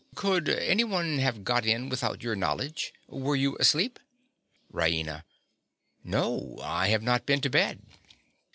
_) Could anyone have got in without your knowledge? Were you asleep? RAINA. No, I have not been to bed.